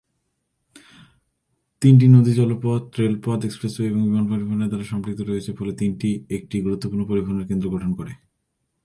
তিনটি নদী জলপথ, রেলপথ, এক্সপ্রেসওয়ে এবং বিমান পরিবহনের দ্বারা সম্পৃক্ত রয়েছে, ফলে নদী তিনটি একটি গুরুত্বপূর্ণ পরিবহন কেন্দ্র গঠন করে।